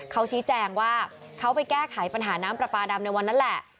เขาชี้แจงว่าเขาไปแก้ไขปัญหาน้ำปลาปลาดำในวันนั้นแหละ